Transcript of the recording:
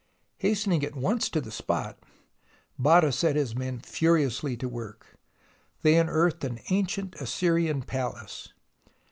Hastening at once to the spot, Botta set his men furiously to work. They unearthed an ancient Assyrian palace.